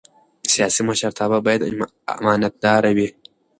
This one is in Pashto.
سیاسي مشرتابه باید امانتدار وي